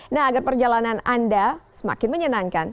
nah agar perjalanan anda semakin menyenangkan